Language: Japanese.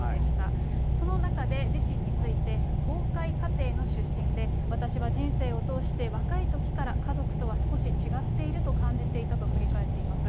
その中で、自身について、崩壊家庭の出身で私は人生を通して、若いときから家族とは少し違っていると感じていたと振り返っています。